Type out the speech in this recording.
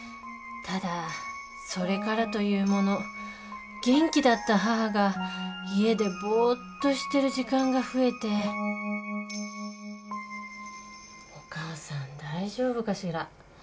ただそれからというもの元気だった母が家でぼっとしてる時間が増えてお母さん大丈夫かしら。